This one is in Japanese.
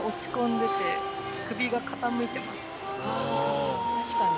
あ確かに。